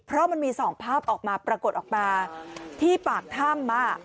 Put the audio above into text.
เพราะมันมี๒ภาพออกมาปรากฏออกมาที่ปากถ้ำ